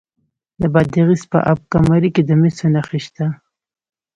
د بادغیس په اب کمري کې د مسو نښې شته.